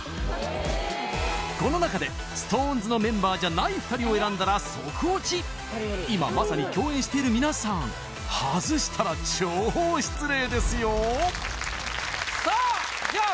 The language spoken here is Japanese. この中でＳｉｘＴＯＮＥＳのメンバーじゃない２人を選んだらソクオチ今まさに共演しているみなさんはずしたら超失礼ですよさあじゃあ